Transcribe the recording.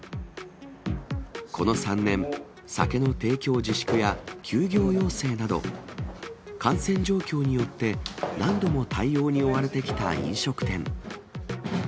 この３年、酒の提供自粛や休業要請など、感染状況によって、何度も対応に追われてきた飲食店。